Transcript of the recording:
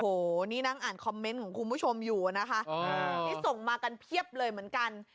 โอ้โหนี่นั่งอ่านคอมเมนต์ของคุณผู้ชมอยู่นะคะนี่ส่งมากันเพียบเลยเหมือนกัน